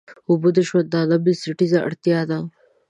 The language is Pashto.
اوبه د ژوندانه بنسټيزه اړتيا ده.